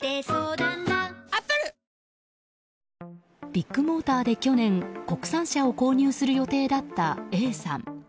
ビッグモーターで去年国産車を購入する予定だったＡさん。